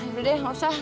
udah deh gak usah